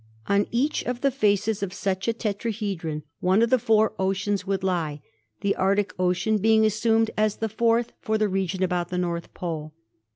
On each of the faces of such a tetrahedron one of the four oceans would lie, the Arctic Ocean being assumed as the fourth for the region about the North Pole.